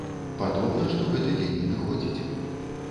Падобна, што гэты дзень надыходзіць.